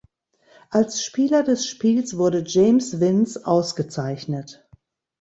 Als Spieler des Spiels wurde James Vince ausgezeichnet.